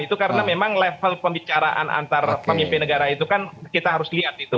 itu karena memang level pembicaraan antar pemimpin negara itu kan kita harus lihat itu